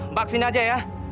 mbak kesini aja ya